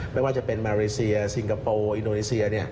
ไม่ว่าจะเป็นมาเลเซียซิงคโปร์อินโดนีเซีย